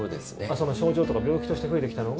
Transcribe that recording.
その症状とか病気として増えてきたのが？